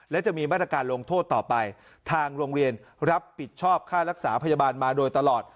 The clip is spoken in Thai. และจะมีมาตรการลงโทษต่อไปทางโรงเรียนรับผิดชอบค่ารักษาพยาบาลมาโดยตลอด